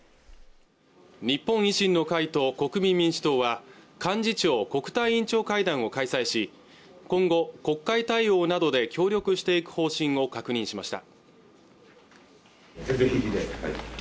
日本維新の会と国民民主党は幹事長・国対委員長会談を開催し今後国会対応などで協力していく方針を確認しました